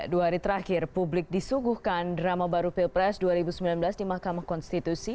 dua hari terakhir publik disuguhkan drama baru pilpres dua ribu sembilan belas di mahkamah konstitusi